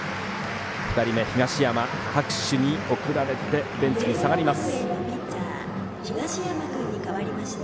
２人目、東山、拍手に送られてベンチに下がります。